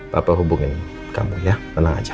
papa hubungin kamu ya tenang aja